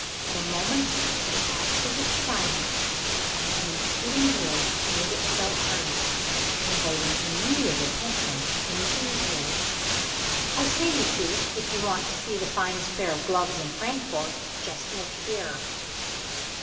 At a moment of absolute silence an intruding voice made itself heard, inviting immediate attention in these words: "I say, you two! If you want to see the finest pair of gloves in Frankfort, just look here."